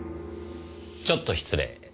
ちょっと失礼。